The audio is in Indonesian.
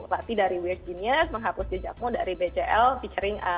lati dari weird genius menghapus jejakmu dari bcl featuring ariel noah